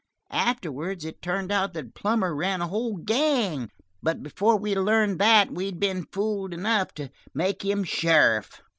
Afterwards it turned out that Plummer ran a whole gang; but before we learned that we'd been fools enough to make him sheriff.